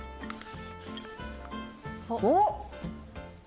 おっ！